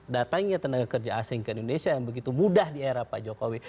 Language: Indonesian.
datangnya tenaga kerja asing ke indonesia yang begitu mudah di era pak jokowi